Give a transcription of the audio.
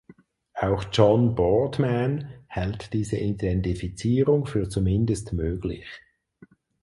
Auch John Boardman hält diese Identifizierung für zumindest möglich.